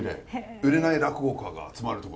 売れない落語家が集まる所。